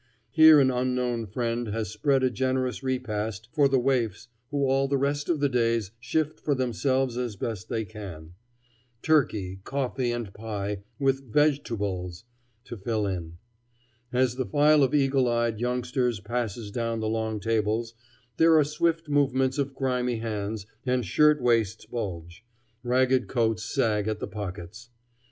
Here an unknown friend has spread a generous repast for the waifs who all the rest of the days shift for themselves as best they can. Turkey, coffee, and pie, with "vegetubles" to fill in. As the file of eagle eyed youngsters passes down the long tables, there are swift movements of grimy hands, and shirt waists bulge, ragged coats sag at the pockets.